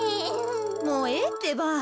もうええってば。